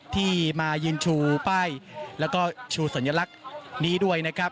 ที่มายืนชูป้ายแล้วก็ชูสัญลักษณ์นี้ด้วยนะครับ